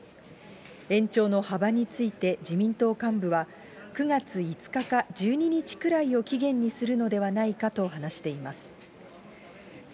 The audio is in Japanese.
延長の幅について自民党幹部は、９月５日か１２日くらいを期限にするのではないかと話しています。